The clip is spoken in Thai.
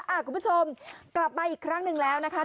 คุณผู้ชมกลับมาอีกครั้งหนึ่งแล้วนะคะ